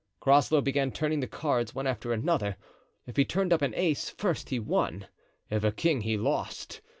Groslow began turning the cards one after another. If he turned up an ace first he won; if a king he lost.